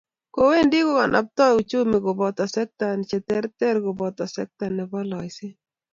Kowendi kokanaptoi uchumi koboto sekta cheterter cheboto sekta nebo loiseet.